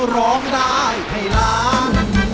ร้องได้ให้ล้าน